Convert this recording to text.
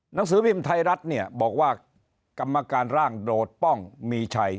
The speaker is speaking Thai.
หนังสือพิมพ์ไทยรัฐเนี่ยบอกว่ากรรมการร่างโดดป้องมีชัย